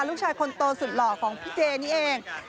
ลูกชายคนโตสุดหล่อของพี่เจนี่เอง